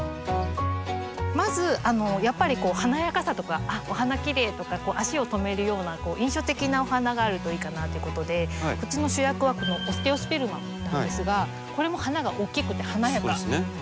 まずやっぱり華やかさとかあっお花きれいとか足を止めるような印象的なお花があるといいかなってことでこっちの主役はこのオステオスペルマムなんですがこれも花が大きくて華やかですよね。